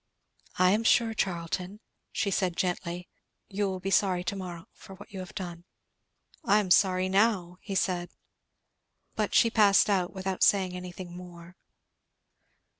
"I am sure, Charlton," she said gently, "you will be sorry to morrow for what you have done." "I am sorry now," he said. But she passed out without saying anything more.